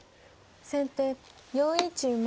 先手４一馬。